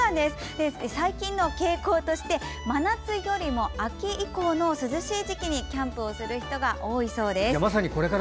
最近の傾向として真夏よりも秋以降の涼しい時期にキャンプをする人が多いそうです。